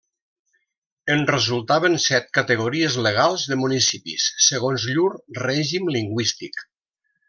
En resultaven set categories legals de municipis, segons llur règim lingüístic.